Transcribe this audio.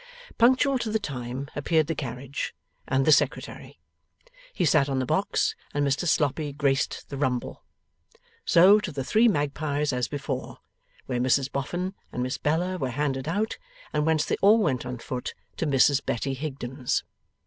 Punctual to the time, appeared the carriage and the Secretary. He sat on the box, and Mr Sloppy graced the rumble. So, to the Three Magpies as before: where Mrs Boffin and Miss Bella were handed out, and whence they all went on foot to Mrs Betty Higden's.